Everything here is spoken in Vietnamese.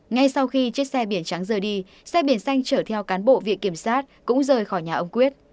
ngay sau khi chiếc xe biển trắng rời đi xe biển xanh chở theo cán bộ viện kiểm sát cũng rời khỏi nhà ông quyết